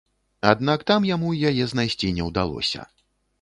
Аднак там яму яе знайсці не ўдалося.